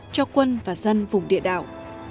cho quân và dân vùng địa đạo